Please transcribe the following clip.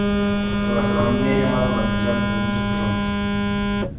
Su gastronomía ha llamado la atención de muchas personas.